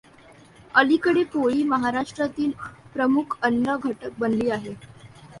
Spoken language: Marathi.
अलिकडे पोळी महाराष्ट्रातील प्रमुख अन्न घटक बनली आहे.